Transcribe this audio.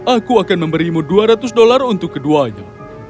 aku akan memberimu dua ratus dolar untuk keduanya